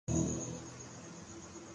مگر حیف ہے اے انسان تیری خود مختاری